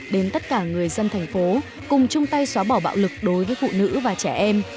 đến tất cả người dân thành phố cùng chung tay xóa bỏ bạo lực đối với phụ nữ và trẻ em